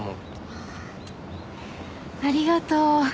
ああありがとう。